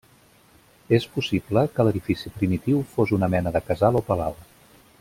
És possible que l'edifici primitiu fos una mena de casal o palau.